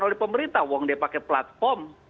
oleh pemerintah uang dia pakai platform